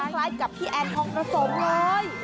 คล้ายกับพี่แอดพร้อมกระสงค์เลย